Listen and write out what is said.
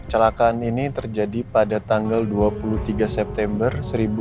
kecelakaan ini terjadi pada tanggal dua puluh tiga september seribu sembilan ratus empat puluh